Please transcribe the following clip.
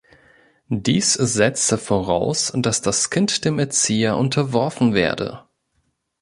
Dies setze voraus, dass das Kind dem Erzieher "unterworfen" werde.